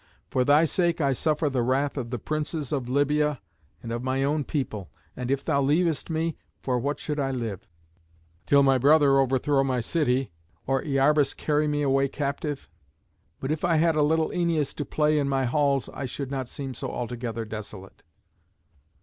For thy sake I suffer the wrath of the princes of Libya and of my own people; and if thou leavest me, for what should I live? till my brother overthrow my city, or Iarbas carry me away captive? If but I had a little Æneas to play in my halls I should not seem so altogether desolate."